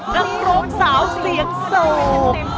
นักร้องสาวเสียงโศก